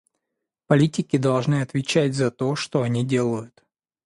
Политики должны отвечать за то, что они делают.